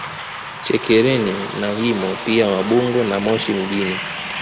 Chekereni na Himo pia Mabungo na Moshi mjini